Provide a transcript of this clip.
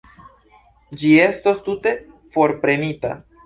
Ĝi estos tute forprenita.